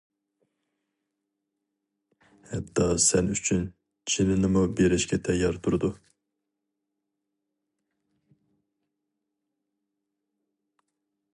ھەتتا سەن ئۈچۈن جىنىنىمۇ بېرىشكە تەييار تۇرىدۇ.